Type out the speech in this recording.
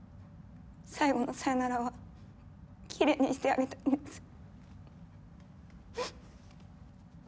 最後のさよならはきれいにしてあげたいんです。